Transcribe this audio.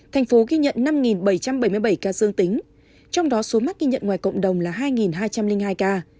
thành phố ghi nhận năm bảy trăm bảy mươi bảy ca dương tính trong đó số mắc ghi nhận ngoài cộng đồng là hai hai trăm linh hai ca